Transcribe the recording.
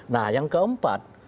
nah yang keempat